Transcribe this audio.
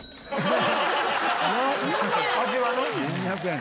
１２００円。